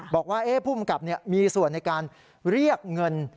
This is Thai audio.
บอกว่าผู้มกับเนี่ยมีส่วนในการเรียกเงิน